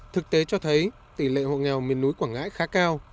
thực tế cho thấy tỷ lệ hộ nghèo miền núi quảng ngãi khá cao